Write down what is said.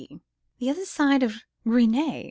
'" "The other side of Gris Nez?